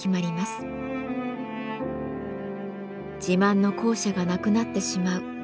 自慢の校舎が無くなってしまう。